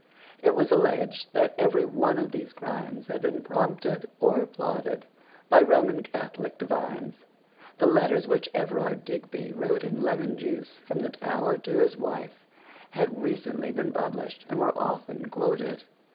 It was alleged that every one of these crimes had been prompted or applauded by Roman Catholic divines. The letters which Everard Digby wrote in lemon juice from the Tower to his wife had recently been published, and were often quoted.